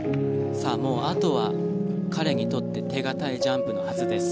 あとは彼にとって手堅いジャンプのはずです。